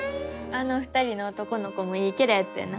あの２人の男の子もいいキャラやったよな。